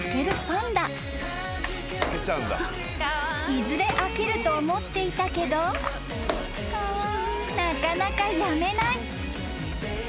［いずれ飽きると思っていたけどなかなかやめない］